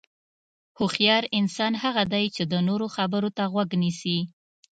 هوښیار انسان هغه دی چې د نورو خبرو ته غوږ نیسي.